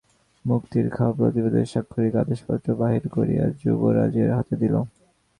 মুক্তিয়ার খাঁ প্রতাপাদিত্যের স্বাক্ষরিত আদেশপত্র বাহির করিয়া যুবরাজের হাতে দিল।